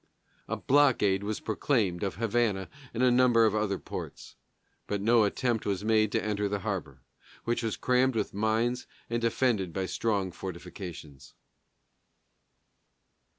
A blockade was proclaimed of Havana and a number of other ports. But no attempt was made to enter the harbor, which was crammed with mines and defended by strong fortifications.